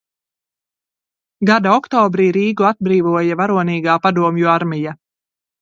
Gada oktobrī Rīgu atbrīvoja varonīgā padomju armija.